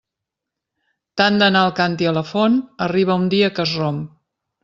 Tant d'anar el càntir a la font, arriba un dia que es romp.